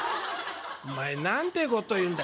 「お前なんてことを言うんだ。